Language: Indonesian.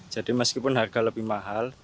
jadi meskipun harga lebih mahal